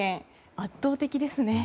圧倒的ですね。